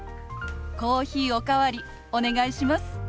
コーヒーお代わりお願いします。